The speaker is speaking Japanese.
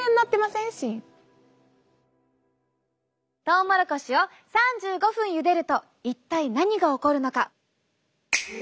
トウモロコシを３５分ゆでると一体何が起こるのか？